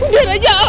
udah raja al